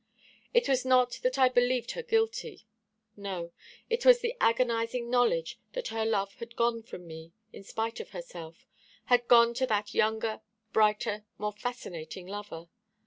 It was not that I believed her guilty. No, it was the agonising knowledge that her love had gone from me, in spite of herself had gone to that younger, brighter, more fascinating lover.